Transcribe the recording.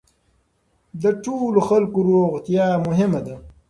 د ټولو خلکو روغتیا مهمه ده.